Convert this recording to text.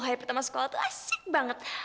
hari pertama sekolah itu asik banget